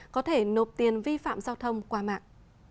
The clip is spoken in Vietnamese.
có thể nộp tiền vi phạm giao thông qua mạng